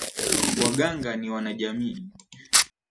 Waganga ni wanajamii.